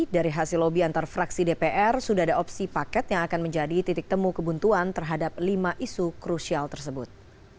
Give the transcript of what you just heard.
dari hasil lobby antar fraksi dpr sudah ada opsi paket yang akan menjadi titik temu kebuntuan terhadap lima isu krusial tersebut